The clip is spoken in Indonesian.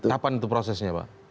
kapan itu prosesnya pak